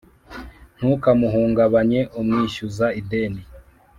ntukamuhungabanye umwishyuza ideni